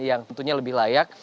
yang tentunya lebih layak